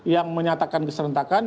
yang menyatakan keserentakan